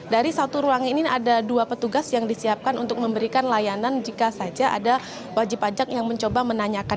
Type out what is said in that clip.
dari satu ruang ini ada dua petugas yang disiapkan untuk memberikan layanan jika saja ada wajib pajak yang mencoba menanyakan